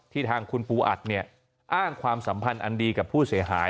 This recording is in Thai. ทางคุณปูอัดเนี่ยอ้างความสัมพันธ์อันดีกับผู้เสียหาย